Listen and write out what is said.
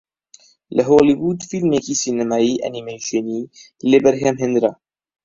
لە هۆڵیوود فیلمێکی سینەمایی ئەنیمەیشنی لێ بەرهەم هێنرا